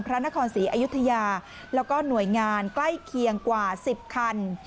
พระนครศรีอยุธยาแล้วก็หน่วยงานใกล้เคียงกว่า๑๐คัน